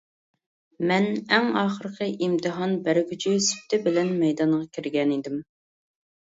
مەن ئەڭ ئاخىرقى ئىمتىھان بەرگۈچى سۈپىتى بىلەن مەيدانغا كىرگەنىدىم.